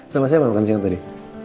sama saya apa kan sih yang tadi